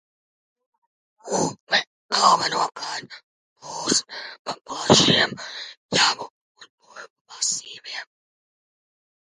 Upe galvenokārt plūst pa plašiem pļavu un purvu masīviem.